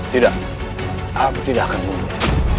tidak aku tidak akan mulia